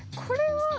これは。